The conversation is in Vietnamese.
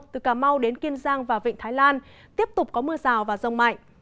từ cà mau đến kiên giang và vịnh thái lan tiếp tục có mưa rào và rông mạnh